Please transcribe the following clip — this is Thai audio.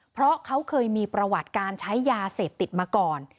เพราะเขาเคยมีประวัติการใช้ยาเสพติดมาก่อน